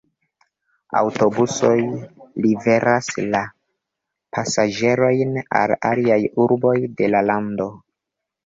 Aŭtobusoj liveras la pasaĝerojn al aliaj urboj de la lando.